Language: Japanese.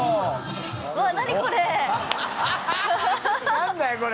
何だよこれ。